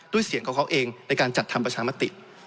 เสียงของเขาเองในการจัดทำประชามติ